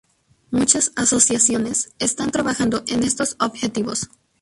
Muchas asociaciones están trabajando en estos objetivos.